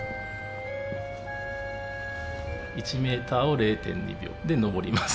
１メーターを０．２秒で登ります。